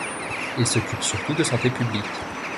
Il s'occupe surtout de santé publique.